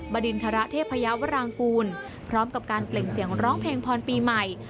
บดินทรเทพยาวรางกูลพร้อมกับการเปล่งเสียงร้องเพลงพรปีใหม่